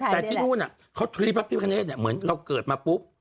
แต่ที่นู่นน่ะเขาทรีย์ป้าพิกาเนทเหมือนเราเกิดมาปุ๊บ